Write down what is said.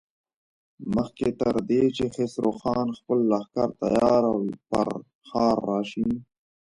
مخکې تر دې چې خسرو خان خپل لښکر تيار او پر ښار راشي.